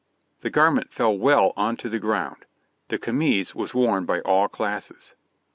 The garment fell well on to the ground. This camise was worn by all classes.